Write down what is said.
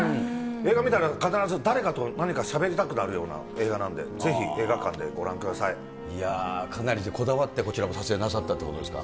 映画見たら必ず誰かと何かしゃべりたくなるような映画なんで、いやー、かなりこだわって、こちらも撮影なさったということですか。